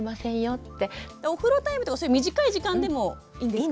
お風呂タイムとかそういう短い時間でもいいんですかね？